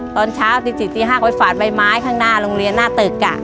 ตอนเช้าตี๔ตี๕ก็ไปฝาดใบไม้ข้างหน้าโรงเรียนหน้าตึก